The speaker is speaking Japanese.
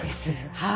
はい。